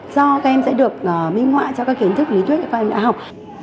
do các em sẽ được minh họa cho các kiến thức lý thuyết và khoa học